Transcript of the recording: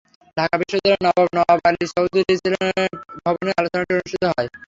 ঢাকা বিশ্ববিদ্যালয়ের নবাব নওয়াব আলী চৌধুরী সিনেট ভবনে আলোচনাটি অনুষ্ঠিত হয়।